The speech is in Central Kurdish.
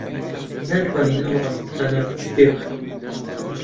ناتوانین ئەم ڕاپۆرتانە پشتگوێ بخەین.